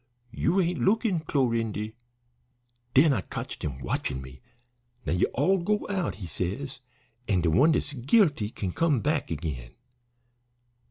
'You ain't lookin', Clorindy.' Den I cotched him watchin' me. 'Now you all go out,' he says, 'and de one dat's guilty kin come back agin.'